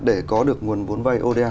để có được nguồn vốn vay oda